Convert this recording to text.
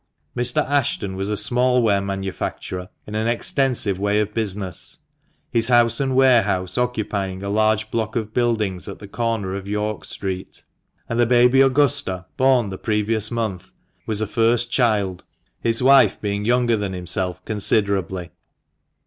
Mr. Ashton was a small ware manufacturer in an extensive way of business, his house and warehouse occupying a large block of buildings at the corner of York Street. And the baby Augusta, born the previous month, was a first child, his wife being younger than himself considerably.